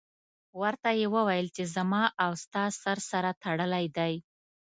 ورته یې وویل چې زما او ستا سر سره تړلی دی.